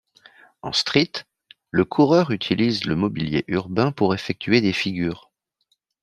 En Street, le coureur utilise le mobilier urbain pour effectuer des figures.